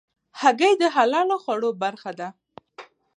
هګۍ د حلالو خوړو برخه ده.